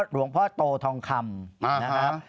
หลวงพ่อโตทองคำนะครับ